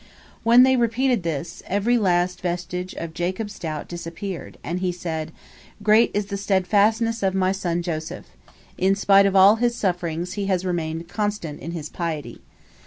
When they repeated this, every last vestige of Jacob's doubt disappeared, and he said: "Great is the steadfastness of my son Joseph. In spite of all his sufferings he has remained constant in his piety.